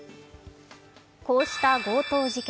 こうした強盗事件。